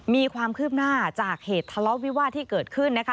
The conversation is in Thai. มีความคืบหน้าจากเหตุทะเลาะวิวาสที่เกิดขึ้นนะคะ